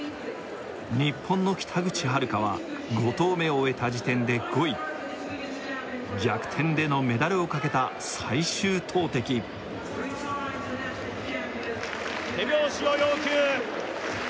日本の北口榛花は５投目を終えた時点で５位逆転でのメダルをかけた最終投てき手拍子を要求